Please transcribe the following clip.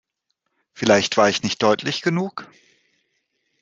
Vielleicht war ich nicht deutlich genug.